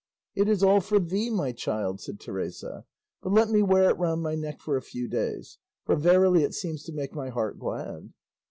"It is all for thee, my child," said Teresa; "but let me wear it round my neck for a few days; for verily it seems to make my heart glad."